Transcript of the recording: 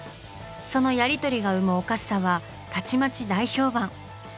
そのやりとりが生むおかしさはたちまち大評判。